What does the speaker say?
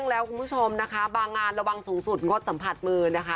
นะครับบางงานระวังสูงสุดงดสัมผัสมือนะคะ